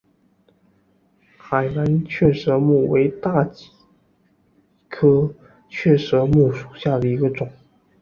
海南雀舌木为大戟科雀舌木属下的一个种。